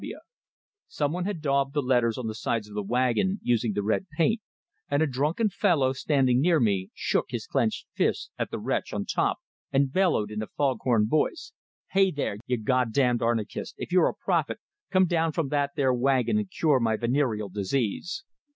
W.W. Some one had daubed the letters on the sides of the wagon, using the red paint; and a drunken fellow standing near me shook his clenched fist at the wretch on top and bellowed in a fog horn voice: "Hey, there, you goddam Arnychist, if you're a prophet, come down from that there wagon and cure my venereal disease!"